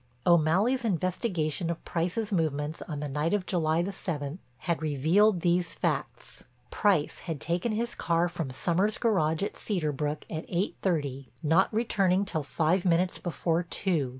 O'Malley's investigation of Price's movements on the night of July the seventh had revealed these facts: Price had taken his car from Sommers' garage at Cedar Brook at eight thirty, not returning till five minutes before two.